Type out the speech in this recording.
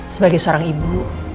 sebagai seorang ibu